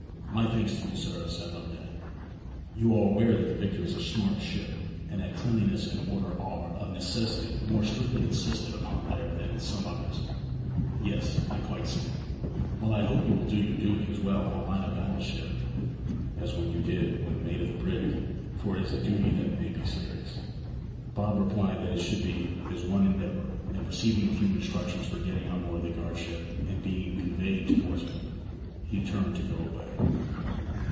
'My thanks to you, sir,' said Loveday. 'You are aware that the Victory is a smart ship, and that cleanliness and order are, of necessity, more strictly insisted upon there than in some others?' 'Sir, I quite see it.' 'Well, I hope you will do your duty as well on a line of battle ship as you did when mate of the brig, for it is a duty that may be serious.' Bob replied that it should be his one endeavour; and receiving a few instructions for getting on board the guard ship, and being conveyed to Portsmouth, he turned to go away.